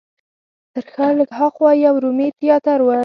تر ښار لږ هاخوا یو رومي تیاتر دی.